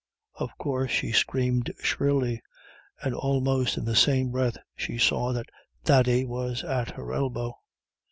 Of course she screamed shrilly, and almost in the same breath she saw that Thady was at her elbow.